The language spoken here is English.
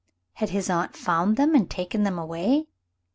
Had his aunt found them and taken them away?